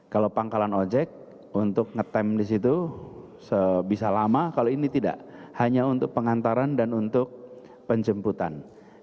kalau pangkalan ojek untuk ngetem di situ bisa lama kalau ini tidak hanya untuk pengantaran dan untuk penjemputan